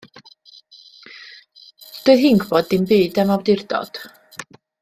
Doedd hi'n gwybod dim byd am awdurdod.